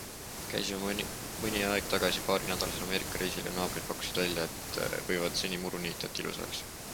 Käisime mõni aeg tagasi paarinädalasel Ameerika reisil ja naabrid pakkusid välja, et võivad seni muru niita, et ilus oleks.